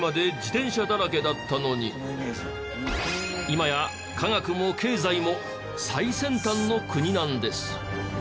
今や科学も経済も最先端の国なんです。